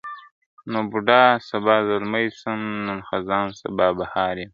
نن بوډا سبا زلمی سم نن خزان سبا بهار یم !.